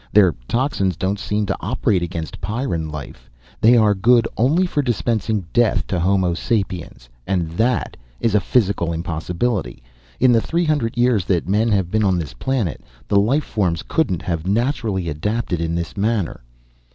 Their toxins don't seem to operate against Pyrran life. They are good only for dispensing death to Homo sapiens. And that is a physical impossibility. In the three hundred years that men have been on this planet, the life forms couldn't have naturally adapted in this manner."